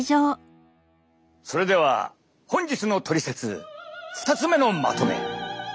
それでは本日のトリセツ２つ目のまとめ。